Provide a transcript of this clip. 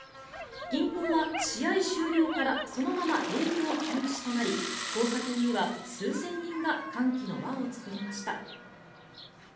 銀行は試合終了からそのまま営業休止となり交差点には数千人が歓喜の輪を作りました。